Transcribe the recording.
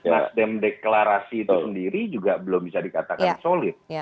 nasdem deklarasi itu sendiri juga belum bisa dikatakan solid